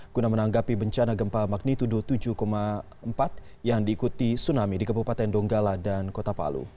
guna menanggapi bencana gempa magnitudo tujuh empat yang diikuti tsunami di kabupaten donggala dan kota palu